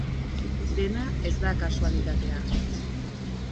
Dena ez da kasualitatea.